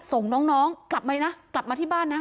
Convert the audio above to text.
ส่งน้องกลับไปนะกลับมาที่บ้านนะ